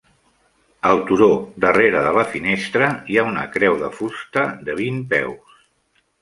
Al turó darrere de la finestra hi ha una creu de fusta de vint peus.